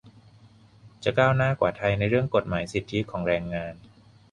จะก้าวหน้ากว่าไทยในเรื่องกฎหมายสิทธิของแรงงาน